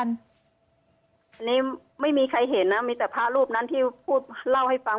อันนี้ไม่มีใครเห็นนะมีแต่พระรูปนั้นที่พูดเล่าให้ฟัง